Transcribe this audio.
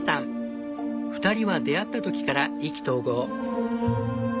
２人は出会った時から意気投合。